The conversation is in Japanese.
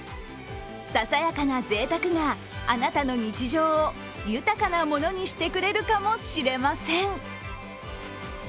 ささやかなぜいたくがあなたの日常を豊かなものにしてくれるかもしれません。